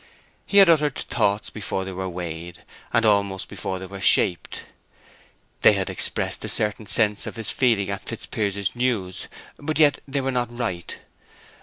He had uttered thoughts before they were weighed, and almost before they were shaped. They had expressed in a certain sense his feeling at Fitzpiers's news, but yet they were not right.